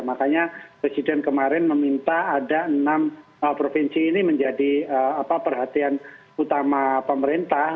makanya presiden kemarin meminta ada enam provinsi ini menjadi perhatian utama pemerintah